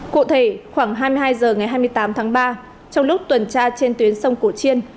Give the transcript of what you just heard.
cụ thể khoảng hai mươi hai h ngày hai mươi tám tháng ba trong lúc tuần tra trên tuyến sông cổ chiên